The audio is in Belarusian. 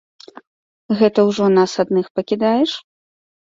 Гэта ўжо нас адных пакідаеш?